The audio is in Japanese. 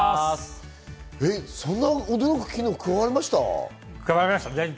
そんな驚く機能が加わりました。